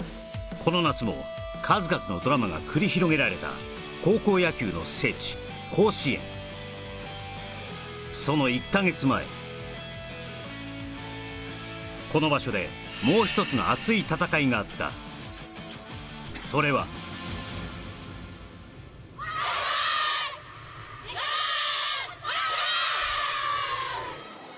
この夏も数々のドラマが繰り広げられたその１か月前この場所でもう一つの熱い戦いがあったそれはお願いします